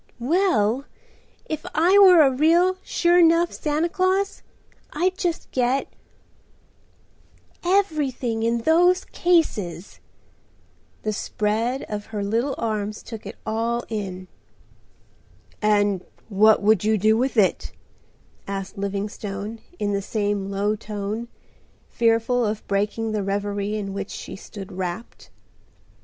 "Well, if I were a real, sure 'nough Santa Claus, I'd just get—everything in those cases." The spread of her little arms took it all in. "And what would you do with it?" asked Livingstone in the same low tone, fearful of breaking the reverie in which she stood wrapped.